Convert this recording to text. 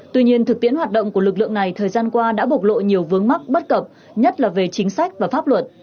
tuy nhiên thực tiễn hoạt động của lực lượng này thời gian qua đã bộc lộ nhiều vướng mắc bất cập nhất là về chính sách và pháp luật